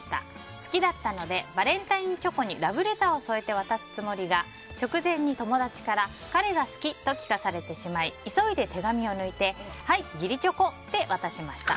好きだったのでバレンタインチョコにラブレターを添えて渡すつもりが、直前に友達から彼が好きと聞かされてしまい急いで手紙を抜いてはい、義理チョコと渡しました。